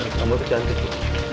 kamu kecantik ya